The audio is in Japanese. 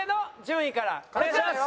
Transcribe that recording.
お願いします！